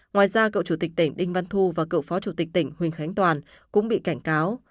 ngoài ra cựu chủ tịch tỉnh đinh văn thu và cựu phó chủ tịch tỉnh huỳnh khánh toàn cũng bị cảnh cáo